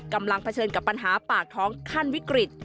เผชิญกับปัญหาปากท้องขั้นวิกฤต